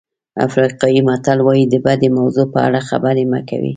افریقایي متل وایي د بدې موضوع په اړه خبرې مه کوئ.